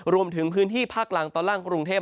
รวมถึงพื้นที่ภาคล่างตอนล่างกรุงเทพ